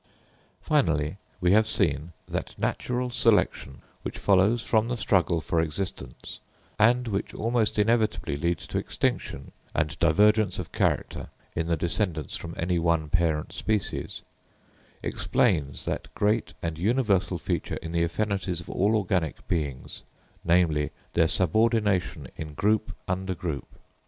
Finally, we have seen that natural selection, which follows from the struggle for existence, and which almost inevitably leads to extinction and divergence of character in the descendants from any one parent species, explains that great and universal feature in the affinities of all organic beings, namely, their subordination in group under group.